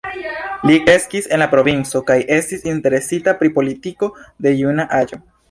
Li kreskis en la provinco, kaj estis interesita pri politiko de juna aĝo.